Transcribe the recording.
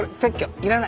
いらない。